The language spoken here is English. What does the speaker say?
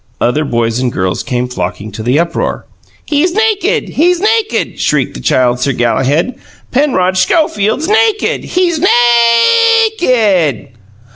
Other boys and girls came flocking to the uproar. "He's nakid, he's nakid!" shrieked the Child Sir Galahad. "Penrod Schofield's nakid! He's NA A A KID!"